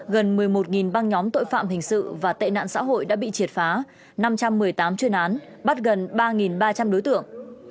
gần một mươi một băng nhóm tội phạm hình sự và tệ nạn xã hội đã bị triệt phá năm trăm một mươi tám chuyên án bắt gần ba ba trăm linh đối tượng